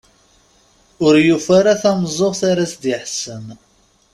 Ur yufi ara tameẓẓuɣt ara as-d-iḥessen.